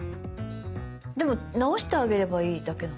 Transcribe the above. でも直してあげればいいだけの話。